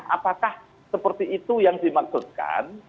apakah seperti itu yang dimaksudkan